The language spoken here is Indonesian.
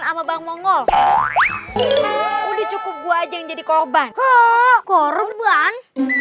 sama bang mongol udah cukup gua aja jadi korban korban